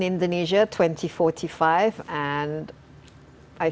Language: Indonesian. indonesia yang berwarna emas